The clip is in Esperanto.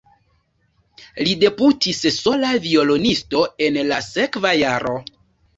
Li debutis sola violonisto en la sekva jaro.